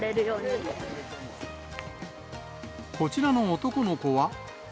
こちらの男の子は。